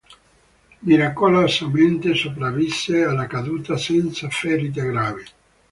Miracolosamente, sopravvisse alla caduta senza ferite gravi.